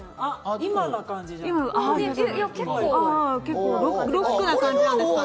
今な感じですね。